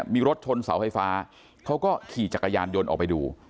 มีรถชนเสาไฟฟ้าเขาก็ขี่จักรยานยนต์ออกไปดู